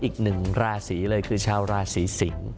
อีกหนึ่งราศีเลยคือชาวราศีสิงศ์